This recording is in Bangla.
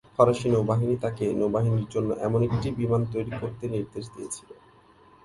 ফরাসী নৌবাহিনী তাকে নৌবাহিনীর জন্য এমন কয়টি বিমান তৈরী করতে নির্দেশ দিয়েছিল।